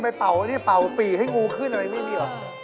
ไปเป่าอันนี้เป่าปีให้งูขึ้นอะไร